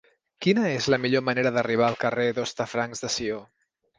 Quina és la millor manera d'arribar al carrer d'Hostafrancs de Sió?